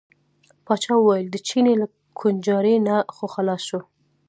پاچا وویل د چیني له کوړنجاري نه خو خلاص شو.